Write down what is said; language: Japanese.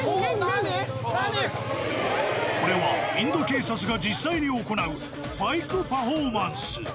これはインド警察が実際に行うバイクパフォーマンス。